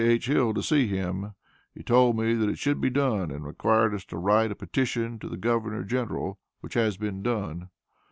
H. Hill to see him he told me that it should be done, and required us to write a petition to the Governor General, which has been done.